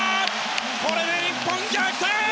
これで日本逆転！